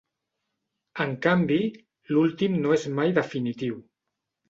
En canvi, l'últim no és mai definitiu.